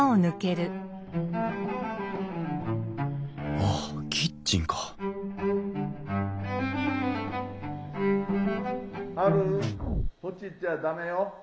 あっキッチンか・ハルそっち行っちゃ駄目よ。